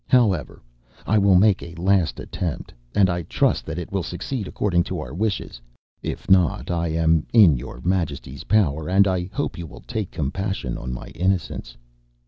However, I will make a last attempt, and I trust that it will succeed according to our wishes. If not, I am in your majestyŌĆÖs power, and I hope you will take compassion on my innocence.